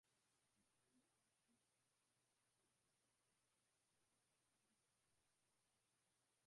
magharibi Umoja wa Kisovyeti ukawa kati ya nchi washindi wa vita kuu ya